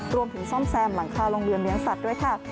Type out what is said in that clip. ซ่อมแซมหลังคาโรงเรือนเลี้ยงสัตว์ด้วยค่ะ